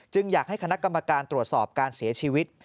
อยากให้คณะกรรมการตรวจสอบการเสียชีวิต